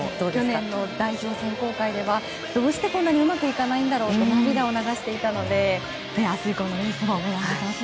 去年の代表選考会ではどうしてこんなにうまくいかないんだろうと涙を流していたので明日以降のレースも楽しみです。